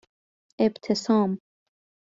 اِبتسام